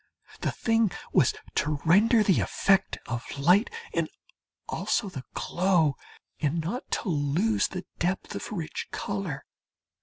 The thing was to render the effect of light and also the glow, and not to lose the depth of rich colour.